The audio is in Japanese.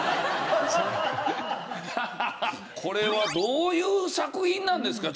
これはどういう作品なんですか？